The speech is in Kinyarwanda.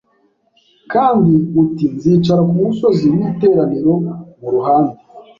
kandi uti Nzicara ku musozi w iteraniro mu ruhande